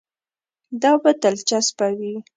دا به دلچسپه وي.